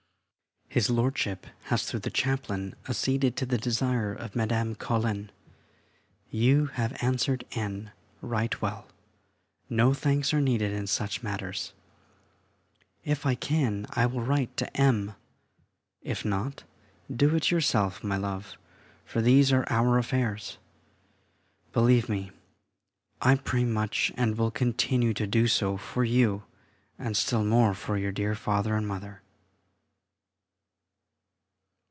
His Lordship has, through the chaplain, acceded to the desire of Madame Colin. You have answered N. right well; no thanks are needed in such matters. If I can I will write to M.; if not, do it yourself, my love, for these are our affairs. Believe me, I pray much, and will continue to do so for you, and still more for your dear Father and Mother....